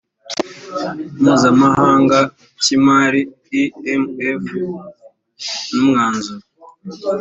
mpuzamahanga cy’imari imf n’umwanzuro